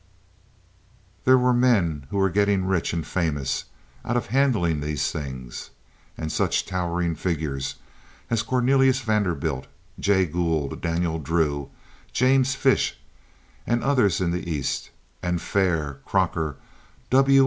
There were men who were getting rich and famous out of handling these things; and such towering figures as Cornelius Vanderbilt, Jay Gould, Daniel Drew, James Fish, and others in the East, and Fair, Crocker, W.